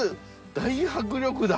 大迫力だ。